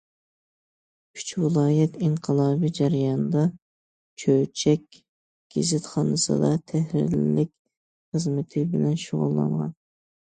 ئۈچ ۋىلايەت ئىنقىلابى جەريانىدا چۆچەك گېزىتخانىسىدا تەھرىرلىك خىزمىتى بىلەن شۇغۇللانغان.